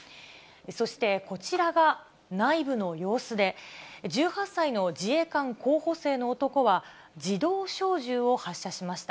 そして、こちらが内部の様子で、１８歳の自衛官候補生の男は、自動小銃を発射しました。